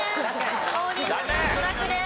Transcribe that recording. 王林さん脱落です。